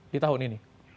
di tahun ini